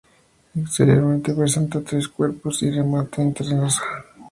Exteriormente presenta tres cuerpos y remate en terraza.